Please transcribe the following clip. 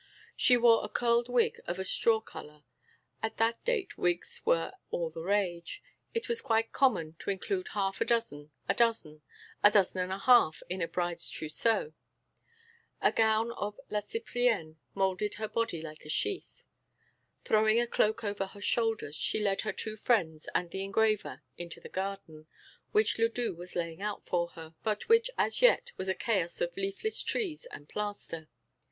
She wore a curled wig of a straw colour. At that date wigs were all the rage; it was quite common to include half a dozen, a dozen, a dozen and a half in a bride's trousseau. A gown à la Cyprienne moulded her body like a sheath. Throwing a cloak over her shoulders, she led her two friends and the engraver into the garden, which Ledoux was laying out for her, but which as yet was a chaos of leafless trees and plaster.